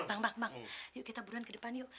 bang bang bang yuk kita buruan ke depan yuk